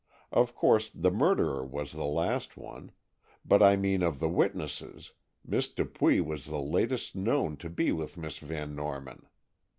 Of course, the murderer was the last one; but I mean, of the witnesses, Miss Dupuy was the latest known to be with Miss Van Norman.